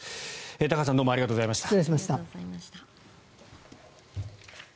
高橋さんどうもありがとうございました。